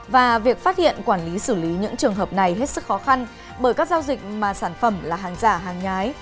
và việc phát hiện quản lý xử lý những trường hợp này hết sức khó khăn bởi các giao dịch mà sản phẩm là hàng giả hàng nhái